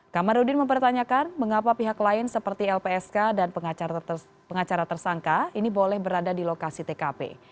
kamarudin mempertanyakan mengapa pihak lain seperti lpsk dan pengacara tersangka ini boleh berada di lokasi tkp